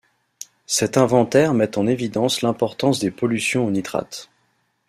Cet inventaire met en évidence l'importance des pollutions aux nitrates.